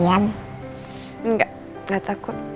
enggak gak takut